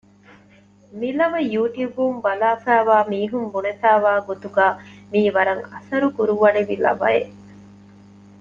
މި ލަވަ ޔޫޓިއުބުން ބަލާފައިވާ މީހުން ބުނެފައިވާ ގޮތުގައި މިއީ ވަރަށް އަސަރު ކުރުވަނިވި ލަވައެއް